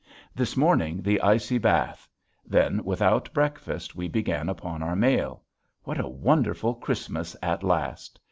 This morning the icy bath. Then without breakfast we began upon our mail. What a wonderful Christmas at last!